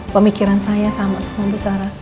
pemikiran saya sama sama bu sarah